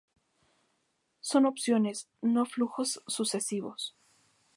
Son opciones, no flujos sucesivos.